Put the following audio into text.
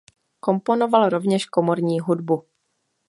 Komponoval rovněž komorní hudbu.